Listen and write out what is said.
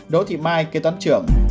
đỗ thị mai kế toán trưởng